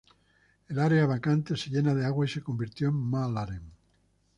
El área vacante se llena de agua y se convirtió en Mälaren.